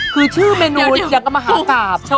คือชื่อเมนูอยากมาหากราบ